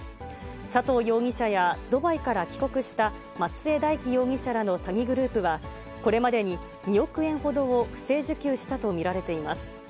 佐藤容疑者や、ドバイから帰国した松江大樹容疑者らの詐欺グループは、これまでに２億円ほどを不正受給したと見られています。